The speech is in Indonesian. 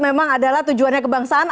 memang adalah tujuannya kebangsaan